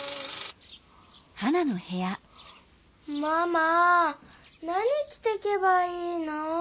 ママ何きてけばいいの？